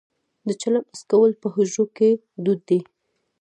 د چلم څکول په حجرو کې دود دی.